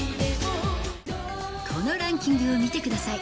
このランキングを見てください。